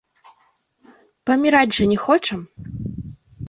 Паміраць жа не хочам.